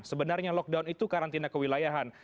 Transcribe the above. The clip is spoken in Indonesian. sebenarnya lockdown itu karantina kewilayahan